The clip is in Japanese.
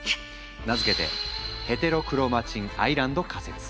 名付けてヘテロクロマチン・アイランド仮説。